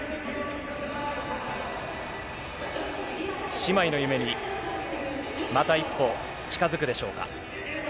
姉妹の夢にまた一歩、近づくでしょうか。